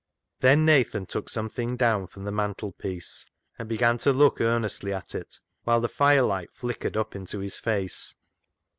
Then Nathan took something down from the mantelpiece, and began to look earnestly at it, whilst the firelight flickered up into his face.